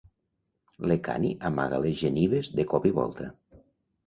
L'Ekahi amaga les genives de cop i volta.